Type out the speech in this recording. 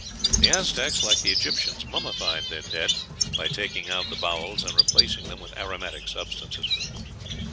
The Aztecs, like the Egyptians, mummified their dead by taking out the bowels and replacing them with aromatic substances.